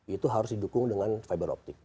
itu harus didukung dengan fiberoptik